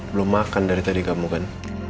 belum makan dari tadi kamu kan